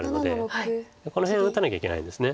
この辺打たなきゃいけないんです。